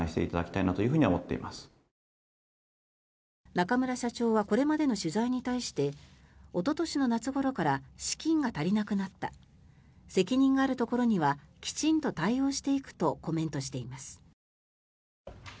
中村社長はこれまでの取材に対しておととしの夏ごろから資金が足りなくなった責任があるところにはきちんと対応していくとコメントしています。